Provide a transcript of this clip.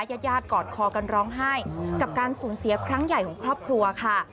ญาติญาติกอดคอกันร้องไห้กับการสูญเสียครั้งใหญ่ของครอบครัวค่ะ